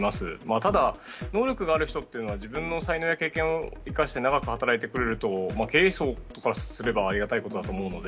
ただ、能力がある人というのは自分の才能や経験を生かして、長く働いてくれると経営層からすればありがたいことだと思うので。